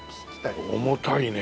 重たいね。